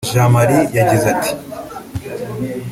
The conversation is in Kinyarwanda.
Jean Marie yagize ati